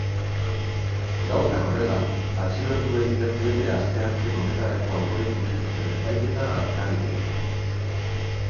Gauzak horrela, atxilotuei ez diete asteazken honetarako aurreikusi zuten epaiketa azkarrik egin.